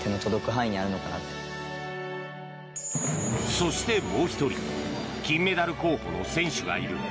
そして、もう１人金メダル候補の選手がいる。